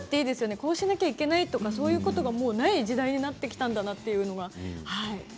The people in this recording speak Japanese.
こういうことができないとかそういうことがもうない時代になってきたんだなというのが。